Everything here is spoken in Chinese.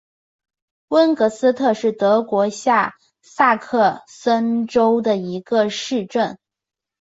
温格斯特是德国下萨克森州的一个市镇。